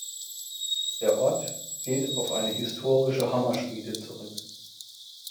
Der Ort geht auf eine historische Hammerschmiede zurück.